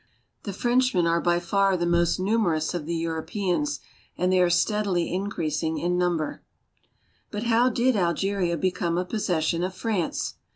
The Frenchmen are by far the most numer ous of the Europeans, and they are steadily increasing in number. But how did Algeria become a possession of France.